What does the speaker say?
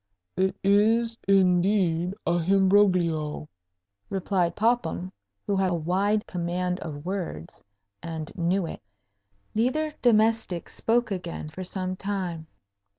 "It is, indeed, a himbroglio," replied Popham, who had a wide command of words, and knew it. Neither domestic spoke again for some time.